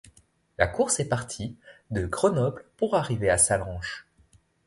La course est partie de Grenoble pour arriver à Sallanches.